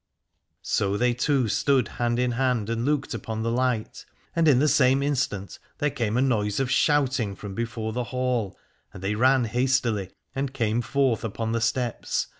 So they two stood hand in hand and looked upon the light : and in the same instant there came a noise of shouting from before the Hall, and they ran hastily and came forth upon the steps.